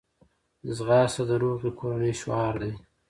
ځغاسته د روغې کورنۍ شعار دی